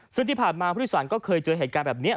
ซึ่งที่ผ่านมาผู้โดยสารก็เคยเจอเหตุการณ์แบบนี้